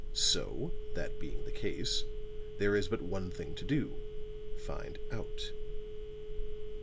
So that being the case there is but one thing to do find out."